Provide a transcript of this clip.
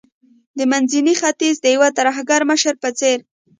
د منځني ختیځ د یو ترهګر مشر په څیر